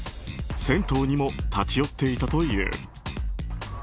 銭湯にも立ち寄っていたという。